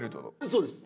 そうです。